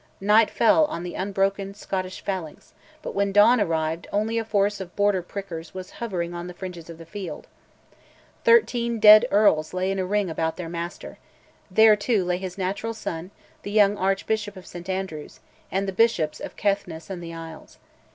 Night fell on the unbroken Scottish phalanx, but when dawn arrived only a force of Border prickers was hovering on the fringes of the field. Thirteen dead earls lay in a ring about their master; there too lay his natural son, the young Archbishop of St Andrews, and the Bishops of Caithness and the Isles.